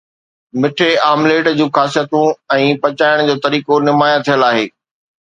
مٺي omelette جون خاصيتون ۽ پچائڻ جو طريقو نمايان ٿيل آهي